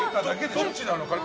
どっちなのかな。